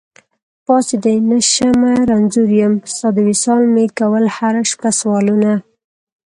پاڅېدی نشمه رنځور يم، ستا د وصال مي کول هره شپه سوالونه